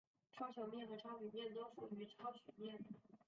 超球面和超平面都属于超曲面。